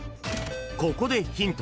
［ここでヒント］